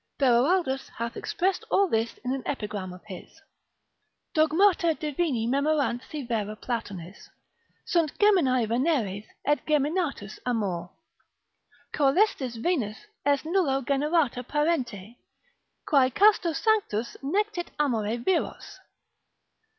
Beroaldus hath expressed all this in an epigram of his: Dogmata divini memorant si vera Platonis, Sunt geminae Veneres, et geminatus amor. Coelestis Venus est nullo generata parente, Quae casto sanctos nectit amore viros.